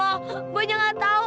aku hanya tidak tahu